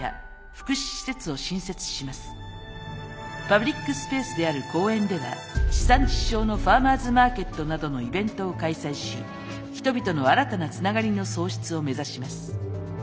パブリックスペースである公園では地産地消のファーマーズマーケットなどのイベントを開催し人々の新たなつながりの創出を目指します。